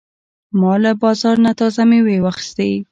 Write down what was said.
ما له بازار نه تازه مېوې واخیستې.